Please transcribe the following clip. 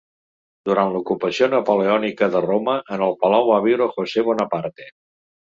Durant l'ocupació napoleònica de Roma, en el palau va viure José Bonaparte.